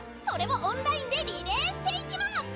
それをオンラインでリレーしていきます！」。